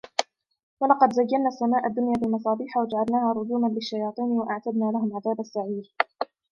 ولقد زينا السماء الدنيا بمصابيح وجعلناها رجوما للشياطين وأعتدنا لهم عذاب السعير